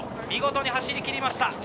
見事に走りきりました。